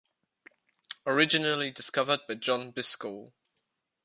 Originally discovered by John Biscoe.